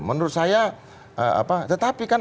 menurut saya tetapi kan